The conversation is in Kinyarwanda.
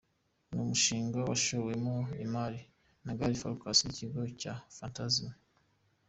Ni umushinga washowemo imari na Gary Farkas n’ikigo cya Phantasm.